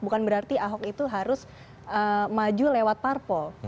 bukan berarti ahok itu harus maju lewat parpol